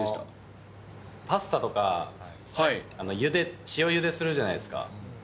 パスタとか、塩ゆでするじゃないですか。